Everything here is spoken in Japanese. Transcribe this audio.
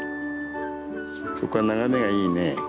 そこは眺めがいいね。